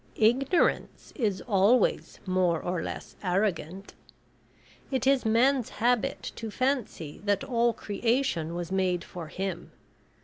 Ignorance is always more or less arrogant. It is man's habit to fancy that all creation was made for him.